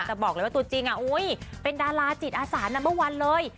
แต่บอกเลยว่าตัวจริงเป็นดาราจิตอาสานะเมื่อวันเลย